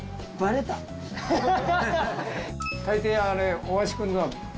大抵あれ大橋君のは。